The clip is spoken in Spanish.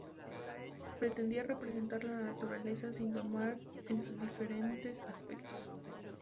Pretendía representar la naturaleza sin domar en sus diferentes aspectos.